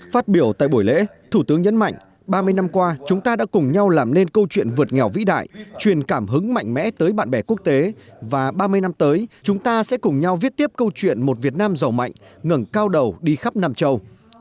phát biểu tại buổi lễ thủ tướng nhấn mạnh ba mươi năm qua chúng ta đã cùng nhau làm nên câu chuyện vượt nghèo vĩ đại truyền cảm hứng mạnh mẽ tới bạn bè quốc tế và ba mươi năm tới chúng ta sẽ cùng nhau viết tiếp câu chuyện một việt nam giàu mạnh ngừng cao đầu đi khắp nam châu